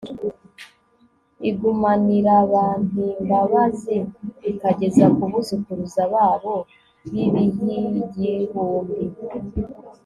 igumanirabantimbabazi ikageza ku buzukuruza baboo bibih igihumbi